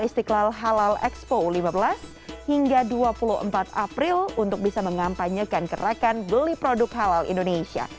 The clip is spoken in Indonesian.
istiqlal halal expo lima belas hingga dua puluh empat april untuk bisa mengampanyekan gerakan beli produk halal indonesia